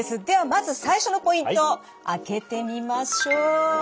ではまず最初のポイント開けてみましょう！